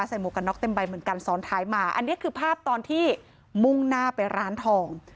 หมวกกันน็อกเต็มใบเหมือนกันซ้อนท้ายมาอันนี้คือภาพตอนที่มุ่งหน้าไปร้านทอง